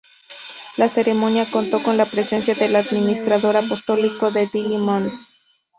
La ceremonia contó con la presencia del administrador apostólico de Dili, Mons.